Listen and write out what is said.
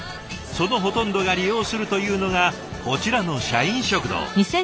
そのほとんどが利用するというのがこちらの社員食堂。